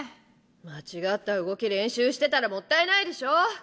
間違った動き練習してたらもったいないでしょ！